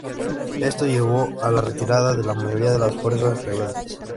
Esto llevó a la retirada de la mayoría de las fuerzas rebeldes.